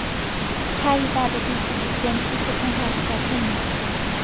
差异大的地区之间初次通话比较困难。